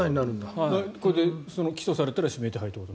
これで起訴されたら指名手配という。